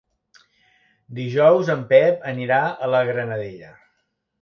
Dijous en Pep anirà a la Granadella.